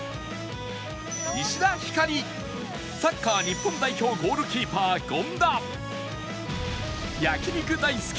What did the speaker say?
石田ひかりサッカー日本代表ゴールキーパー権田焼肉大好き！